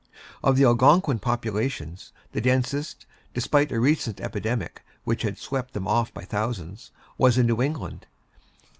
Of the Algonquin populations, the densest, despite a recent epidemic which had swept them off by thousands, was in New England.